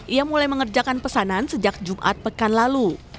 ia mulai mengerjakan pesanan sejak jumat pekan lalu